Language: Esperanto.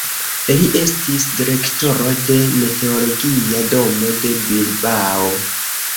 Li estis direktoro de meteologia domo de Bilbao.